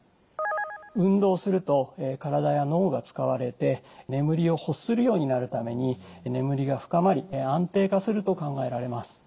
運動すると体や脳が使われて眠りを欲するようになるために眠りが深まり安定化すると考えられます。